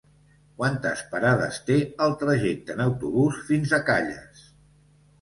Quantes parades té el trajecte en autobús fins a Calles?